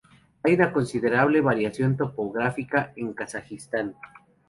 Hay una considerable variación topográfica en Kazajistán.